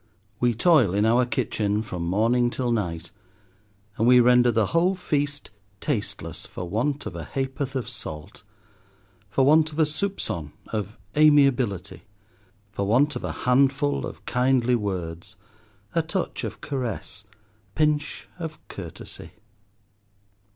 We toil in our kitchen from morning till night, and we render the whole feast tasteless for want of a ha'porth of salt—for want of a soupcon of amiability, for want of a handful of kindly words, a touch of caress, a pinch of courtesy.